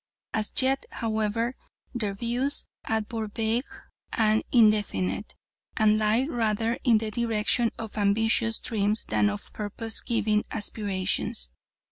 As yet, however, their views are but vague and indefinite, and lie rather in the direction of ambitious dreams than of purpose giving aspirations.